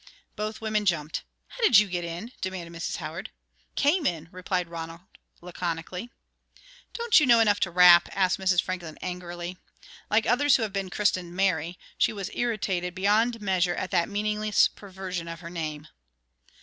Both women jumped. "How did you get in?" demanded Mrs. Howard. "Came in," replied Ronald, laconically. "Don't you know enough to rap?" asked Mrs. Franklin, angrily. Like others who have been christened "Mary," she was irritated beyond measure at that meaningless perversion of her name.